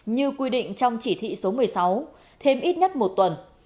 như quy định trong chỉ thị số một mươi sáu thêm ít nhất một tuần